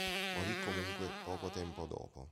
Morì comunque poco tempo dopo.